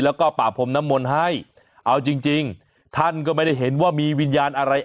แล้วก็ป่าพรมน้ำมนต์ให้เอาจริงจริงท่านก็ไม่ได้เห็นว่ามีวิญญาณอะไร